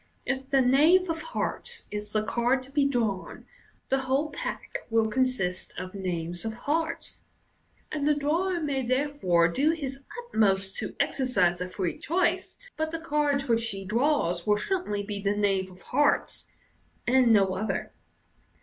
if the knave of hearts is the card to be drawn, the whole pack will consist of knaves of hearts, and the drawer may therefore do his atmost to exercise a free choice, but the card which he draws will certainly be the knave of hearts, and no other.